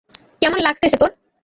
কেমন লাগতেছে তোর?